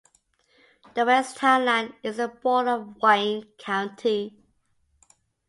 The west town line is the border of Wayne County.